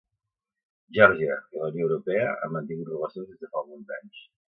Geòrgia i la Unió Europea han mantingut relacions des de fa alguns anys.